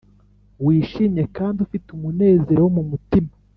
wishimye kandi ufite umunezero wo mu mutima,